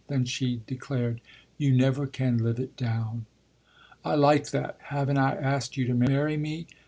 Then she declared: "You never can live it down." "I like that! Haven't I asked you to marry me?